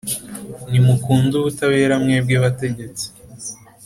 Nimukunde ubutabera, mwebwe bategetsi b’isi,